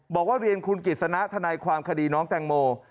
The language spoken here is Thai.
บอกว่าเรียนคุณกิจสนะทนายความคดีน้องแตงโม